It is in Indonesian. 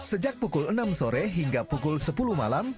sejak pukul enam sore hingga pukul sepuluh malam